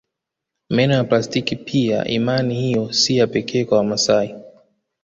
Meno ya plastiki pia imani hiyo si ya pekee kwa Wamasai